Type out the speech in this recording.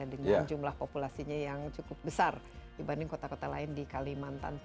dengan jumlah populasinya yang cukup besar dibanding kota kota lain di kalimantan